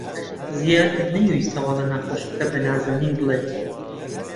زیاد نەیویست هەواڵە ناخۆشەکە بە نازەنین بڵێت.